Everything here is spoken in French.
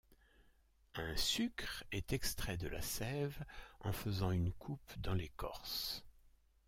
Un sucre est extrait de la sève en faisant une coupe dans l'écorce.